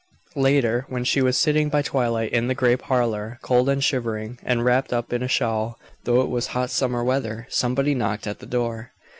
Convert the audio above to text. Later, when she was sitting by twilight in the gray parlor, cold and shivering, and wrapped up in a shawl, though it was hot summer weather, somebody knocked at the door.